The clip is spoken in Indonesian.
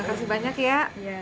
makasih banyak ya